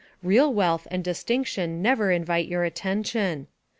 Real wealth and distinction never invite your attention.